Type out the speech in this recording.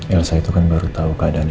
elsa itu kan baru tau keadaan